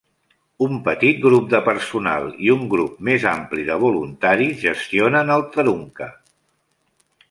Un petit grup de personal i un grup més ampli de voluntaris gestionen el "Tharunka".